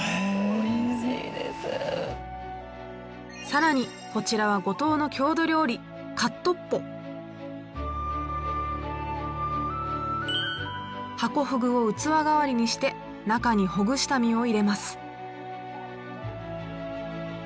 更にこちらは五島の郷土料理かっとっぽ。ハコフグを器代わりにして中にほぐした身を入れます。